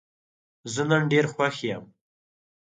زه نن ډېر خوښ یم.